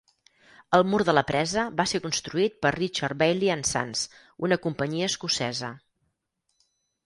El mur de la presa va ser construït per Richard Baillie and Sons, una companyia escocesa.